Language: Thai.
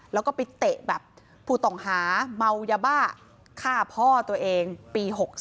แล้วก็ไปเตะแบบผู้ต้องหาเมายาบ้าฆ่าพ่อตัวเองปี๖๓